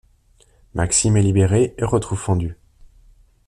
Maxime est libéré et retrouve Fendu.